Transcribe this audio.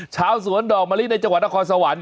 ชาวสวนดอกมะลิในจังหวัดนครสวรรค์